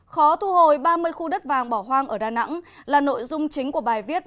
khó thu hồi ba mươi khu đất vàng bỏ hoang ở đà nẵng là nội dung chính của bài viết